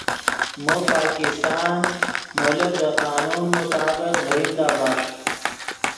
مو پاکستان مولو دے قانون مطابق ڤریمدا بݰ